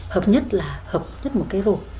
hợp nhất là hợp nhất một cái rồi